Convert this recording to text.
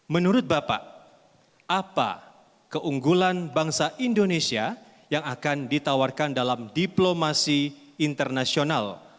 menurut bapak apa keunggulan bangsa indonesia yang akan ditawarkan dalam diplomasi internasional